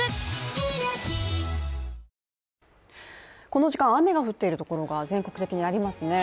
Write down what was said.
この時間、雨が降っているところが全国的にありますね。